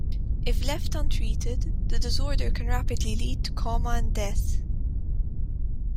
If left untreated, the disorder can rapidly lead to coma and death.